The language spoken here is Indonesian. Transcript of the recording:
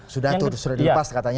sudah lupas katanya